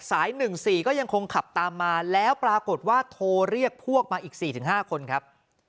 สาย๑๔ก็ยังคงขับตามมาแล้วปรากฏว่าโทรเรียกพวกมาอีก๔๕คนครับ